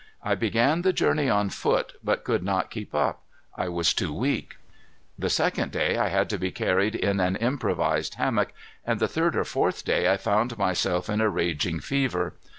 I began the journey on foot, but could not keep up. I was too weak. The second day I had to be carried in an improvised hammock, and the third or fourth day I found myself in a raging fever.